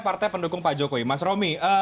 partai pendukung pak jokowi mas romi